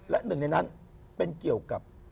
และหนึ่งในนั้นเป็นเกี่ยวกับ